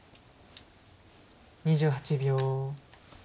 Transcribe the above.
２８秒。